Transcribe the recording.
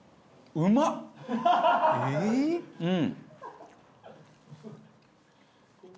うん。